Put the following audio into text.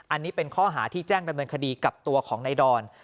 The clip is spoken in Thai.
อันนี้เป็นข้อหาที่แจ้งดำเนินคดีกับตัวของนายดอน